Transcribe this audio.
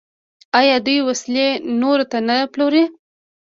آیا دوی وسلې نورو ته نه پلوري؟